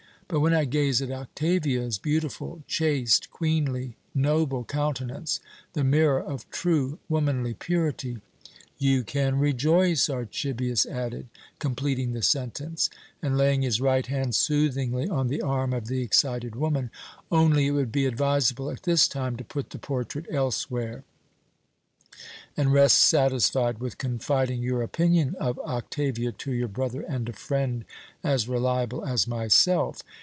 But when I gaze at Octavia's beautiful, chaste, queenly, noble countenance, the mirror of true womanly purity " "You can rejoice," Archibius added, completing the sentence, and laying his right hand soothingly on the arm of the excited woman, "only it would be advisable at this time to put the portrait elsewhere, and rest satisfied with confiding your opinion of Octavia to your brother and a friend as reliable as myself.